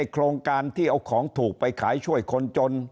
โครงการที่เอาของถูกไปขายช่วยคนจน